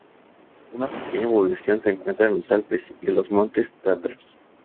Una pequeña población se encuentra en los Alpes y los Montes Tatras.